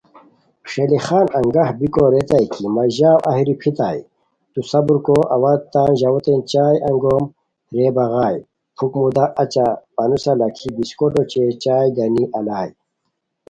ݰیلی خان انگاہ بیکو ریتائے کی مہ ژاؤ ایہہ روپھیتائے تو صبر کو اوا تان ژاؤتین چائے انگوم رے بغائے ,پُھک مودا اچہ پانوسہ لکھی بسکوٹ اوچے چائے گنی الائے